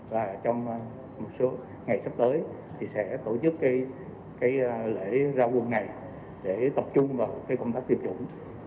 và trong một số ngày sắp tới thì sẽ tổ chức lễ ra quân này để tập trung vào công tác tiêm chủng